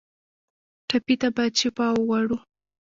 ټپي ته باید شفا وغواړو.